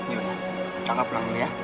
yaudah kita pulang dulu ya